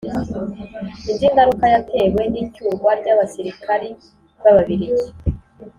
indi ngaruka yatewe n'icyurwa ry'abasirikari b'ababiligi